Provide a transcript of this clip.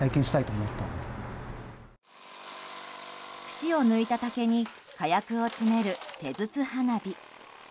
節を抜いた竹に火薬を詰める手筒花火。